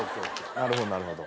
なるほどなるほど。